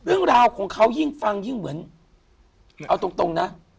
เรื่องราวของเขายิ่งฟังยิ่งเหมือนเอาตรงนะ